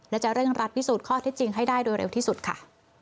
และจะเร่งรัดพิสูจน์ข้อเท็จจริงให้ได้โดยเร็วที่สุดค่ะ